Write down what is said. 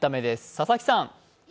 佐々木さん。